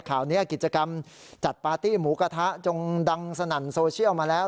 ข่าวนี้กิจกรรมจัดปาร์ตี้หมูกระทะจงดังสนั่นโซเชียลมาแล้ว